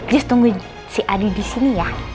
just tunggu si adi disini ya